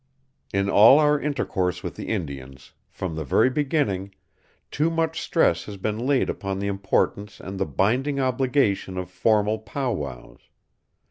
In all our intercourse with the Indians, from the very beginning, too much stress has been laid upon the importance and the binding obligation of formal pow wows.